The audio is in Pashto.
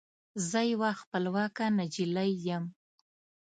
زه یوه خپلواکه نجلۍ یم